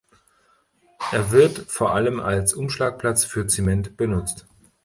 Er wird vor allem als Umschlagplatz für Zement benutzt.